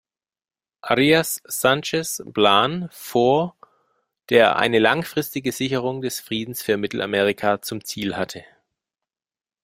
Arias-Sánchez-Plan vor, der eine langfristige Sicherung des Friedens für Mittelamerika zum Ziel hatte.